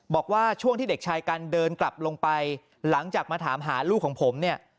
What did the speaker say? บอกว่าช่วงที่เด็กชายกันเดินกลับลงไปหลังจากมาถามหาลูกของผมเนี่ย